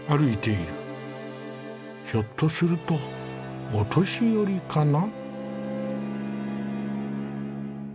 ひょっとするとお年寄りかな。